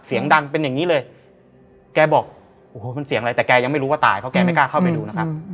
เสียงดังเป็นอย่างนี้เลยแกบอกโอ้โหมันเสียงอะไรแต่แกยังไม่รู้ว่าตายเพราะแกไม่กล้าเข้าไปดูนะครับ